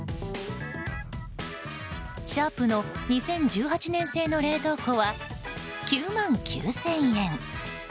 シャープの２０１８年製の冷蔵庫は９万９０００円。